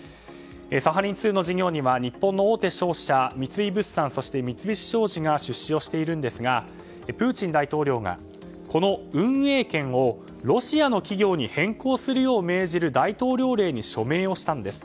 サハリン２の事業には日本の大手商社三井物産、三菱商事が出資をしているんですがプーチン大統領がこの運営権をロシアの企業に変更するよう命じる大統領令に署名をしたんです。